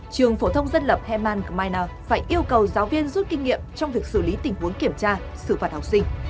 trường phổ thông dân lập heman cyna phải yêu cầu giáo viên rút kinh nghiệm trong việc xử lý tình huống kiểm tra xử phạt học sinh